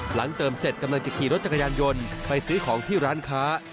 เติมเสร็จกำลังจะขี่รถจักรยานยนต์ไปซื้อของที่ร้านค้า